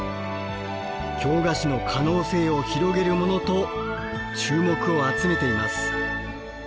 京菓子の可能性を広げるモノと注目を集めています。